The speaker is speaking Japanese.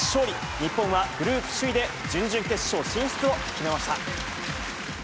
日本はグループ首位で準々決勝進出を決めました。